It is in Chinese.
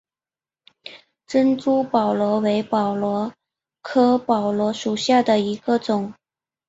珍珠宝螺为宝螺科宝螺属下的一个种。